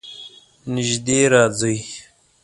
نژدې راځئ